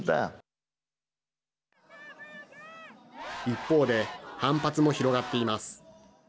一方で反発も広がっています。